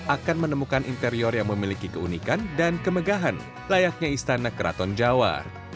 akan menemukan interior yang memiliki keunikan dan kemegahan layaknya istana keraton jawa